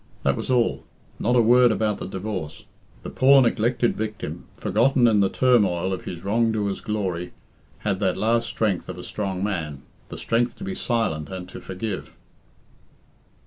That was all. Not a word about the divorce. The poor neglected victim, forgotten in the turmoil of his wrongdoer's glory, had that last strength of a strong man the strength to be silent and to forgive.